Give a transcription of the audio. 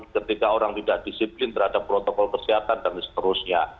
ketika orang tidak disiplin terhadap protokol kesehatan dan seterusnya